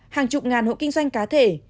hàng chục ngàn hộ kinh doanh cá thể